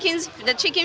ini adalah suap ayam